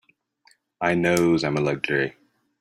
I knows I'm a luxury.